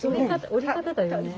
折り方だよね。